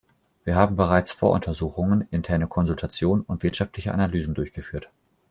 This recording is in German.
Wir haben bereits Voruntersuchungen, interne Konsultationen und wirtschaftliche Analysen durchgeführt.